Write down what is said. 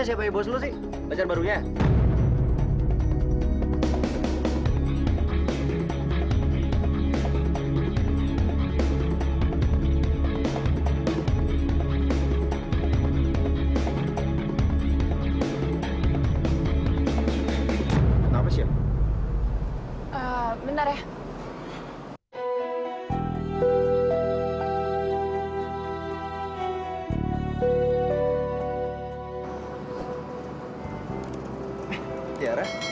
lepasin pak randy